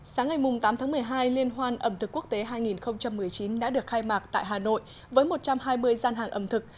sáng ngày tám tháng một mươi hai liên hoan ẩm thực quốc tế hai nghìn một mươi chín đã được khai mạc tại hà nội với một trăm hai mươi gian hàng ẩm thực